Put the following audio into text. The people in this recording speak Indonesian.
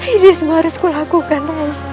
ini semua harus kulakukan